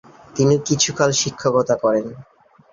তিনি কিছুকাল শিক্ষকতা করেন।